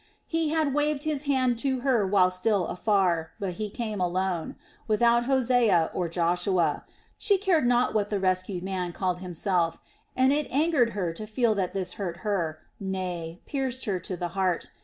He had waved his hand to her while still afar, but he came alone, without Hosea or Joshua, she cared not what the rescued man called himself; and it angered her to feel that this hurt her, nay, pierced her to the heart.